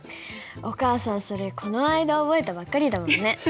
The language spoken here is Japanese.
お母さんそれこの間覚えたばっかりだもんね。